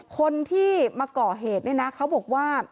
คนที่มาก่อเหตุเนี่ยนะเขาบอกว่า